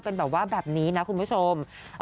เป็นแบบว่าแบบนี้นะคุณผู้ชม